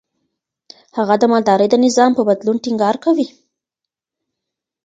هغه د مالدارۍ د نظام په بدلون ټينګار کوي.